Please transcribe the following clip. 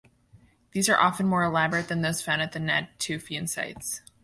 These are often more elaborate than those found at Natufian sites.